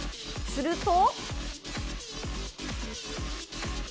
すると。